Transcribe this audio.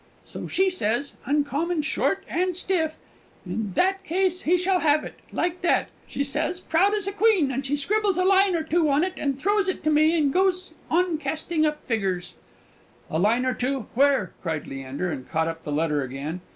So she sez, uncommon short and stiff, 'In that case he shall have it!' like that, she says, as proud as a queen, and she scribbles a line or two on it, and throws it to me, and goes on casting up figgers." "A line or two! where?" cried Leander, and caught up the letter again.